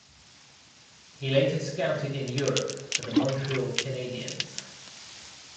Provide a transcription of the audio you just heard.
He later scouted in Europe for the Montreal Canadiens.